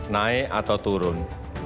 naik atau turun